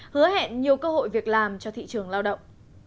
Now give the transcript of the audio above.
hứa hẹn nhiều cơ hội việc làm cho thị trường lao động